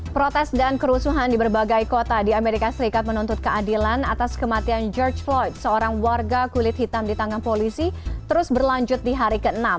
protes dan kerusuhan di berbagai kota di amerika serikat menuntut keadilan atas kematian george floyd seorang warga kulit hitam di tangan polisi terus berlanjut di hari ke enam